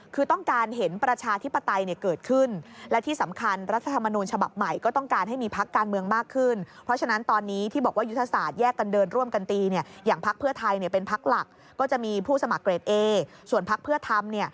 คือต้องการเห็นประชาธิปไตยเนี่ยเกิดขึ้น